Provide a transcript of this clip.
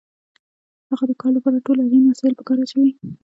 هغه د کار لپاره ټول اړین وسایل په کار اچوي